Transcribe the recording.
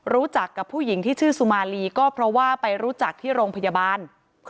รู้จักกับผู้หญิงที่ชื่อสุมาลีก็เพราะว่าไปรู้จักที่โรงพยาบาล